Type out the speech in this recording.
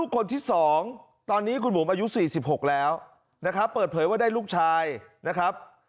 คนที่๒ตอนนี้คุณบุ๋มอายุ๔๖แล้วนะครับเปิดเผยว่าได้ลูกชายนะครับ